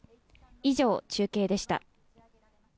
以上、中継でした。